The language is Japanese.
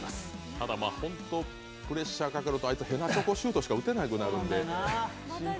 ただ、本当にプレッシャーをかけると、あいつ、へなちょこシュートしか打てなくなるんで。